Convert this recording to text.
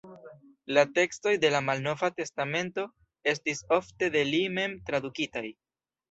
La tekstoj de la Malnova Testamento estis ofte de li mem tradukitaj.